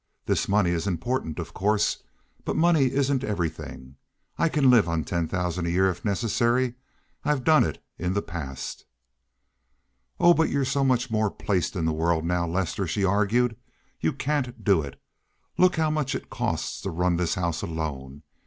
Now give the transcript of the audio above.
This money is important, of course, but money isn't everything. I can live on ten thousand a year if necessary. I've done it in the past." "Oh, but you're so much more placed in the world now, Lester," she argued. "You can't do it. Look how much it costs to run this house alone.